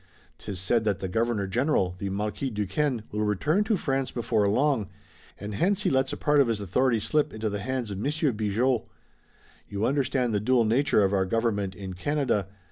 'Tis said that the Governor General, the Marquis Duquesne, will return to France before long, and hence he lets a part of his authority slip into the hands of Monsieur Bigot. You understand the dual nature of our government in Canada.